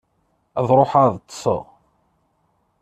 Ad ṛuḥeɣ ad ṭṭseɣ.